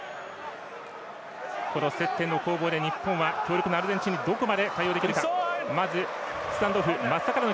攻防で、日本は強力なアルゼンチンにどこまで対抗できるか。